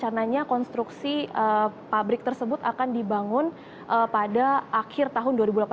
rencananya konstruksi pabrik tersebut akan dibangun pada akhir tahun dua ribu delapan belas